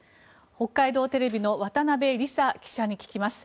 北海道テレビの渡辺里沙記者に聞きます。